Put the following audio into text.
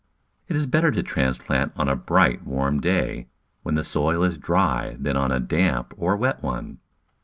It is better to transplant on a bright, warm day when the soil is dry than on a damp or wet one.